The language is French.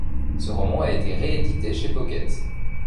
Ce roman a été réédité chez Pocket.